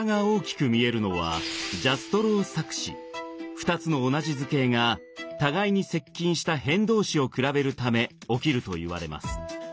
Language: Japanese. ２つの同じ図形が互いに接近した「辺」同士を比べるため起きるといわれます。